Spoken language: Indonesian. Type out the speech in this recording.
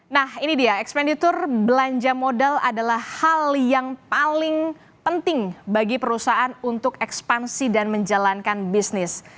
nah ini dia ekspenditur belanja modal adalah hal yang paling penting bagi perusahaan untuk ekspansi dan menjalankan bisnis